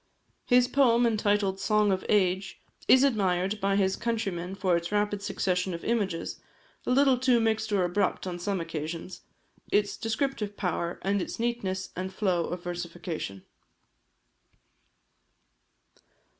His poem entitled the "Song of Age," is admired by his countrymen for its rapid succession of images (a little too mixed or abrupt on some occasions), its descriptive power, and its neatness and flow of versification.